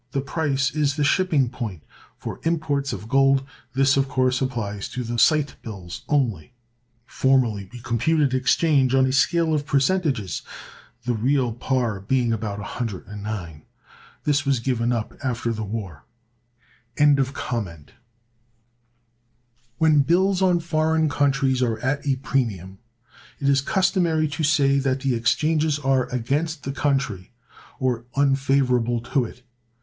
This price is the "shipping point" for imports of gold. This, of course, applies to sight bills only. Formerly, we computed exchange on a scale of percentages, the real par being about 109. This was given up after the war. When bills on foreign countries are at a premium, it is customary to say that the exchanges are against the country, or unfavorable to it.